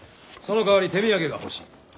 そのかわり手土産が欲しい。